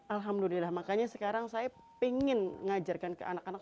alhamdulillah makanya sekarang saya ingin ngajarkan ke anak anak